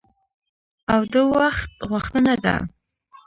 او د وخت غوښتنه ده.